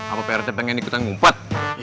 apa prt pengen ikutan ngumpet